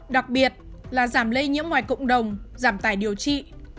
đặc biệt là giảm lây nhiễm ngoài cộng đồng giảm tài điều trị